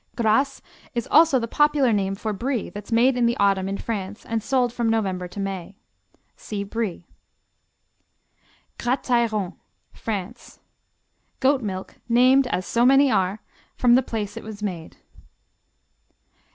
Gras is also the popular name for Brie that's made in the autumn in France and sold from November to May. (See Brie.) Gratairon France Goat milk named, as so many are, from the place it is made.